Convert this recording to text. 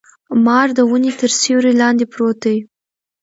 مار د ونې تر سیوري لاندي پروت دی.